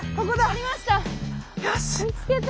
ありました！